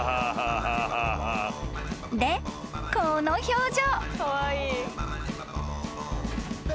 ［でこの表情］